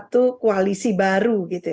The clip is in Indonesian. satu koalisi baru gitu